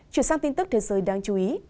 chuyển sang tin tức thế giới đáng chú ý